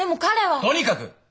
とにかく！